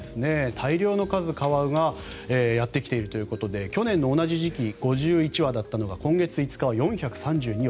大量の数、カワウがやってきているということで去年の同じ時期５１羽だったのが今月５日は４３２羽。